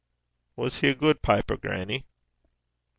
'Was he a guid piper, grannie?'